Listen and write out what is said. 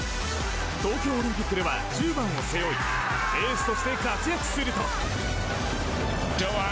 東京オリンピックでは１０番を背負いエースとして活躍すると。